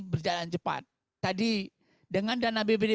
berjalan cepat tadi dengan dana bbd